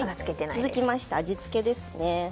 続きまして味付けですね。